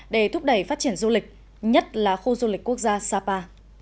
để thúc đẩy phát triển du lịch nhất là khu du lịch quốc gia sapa